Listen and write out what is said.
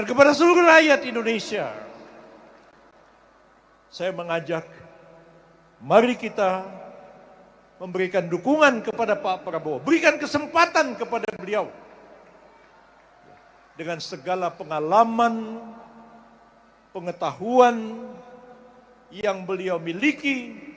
dan kepada seluruh rakyat indonesia saya mengajak mari kita memberikan dukungan kepada pak prabowo berikan kesempatan kepada beliau dengan segala pengalaman pengetahuan yang beliau miliki